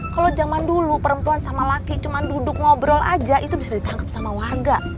kalo jaman dulu perempuan sama laki cuman duduk ngobrol aja itu bisa ditangkep sama warga